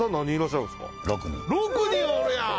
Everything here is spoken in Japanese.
６人おるやん！